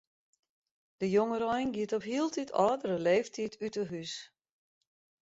De jongerein giet op hieltyd âldere leeftiid út 'e hús.